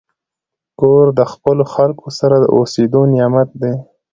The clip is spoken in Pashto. کور د خپلو خلکو سره د اوسېدو نعمت دی.